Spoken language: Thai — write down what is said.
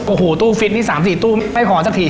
โอ้โหตู้ฟิตนี่๓๔ตู้ไม่ขอสักที